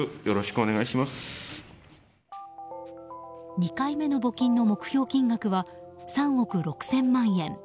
２回目の募金の目標金額は３億６０００万円。